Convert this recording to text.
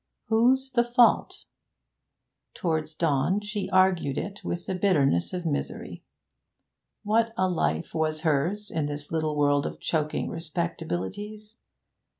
Whose the fault? Towards dawn she argued it with the bitterness of misery. What a life was hers in this little world of choking respectabilities!